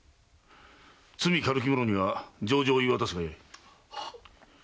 罪軽き者には情状を言い渡すがよい。